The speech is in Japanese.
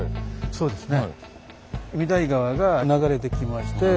そうですね。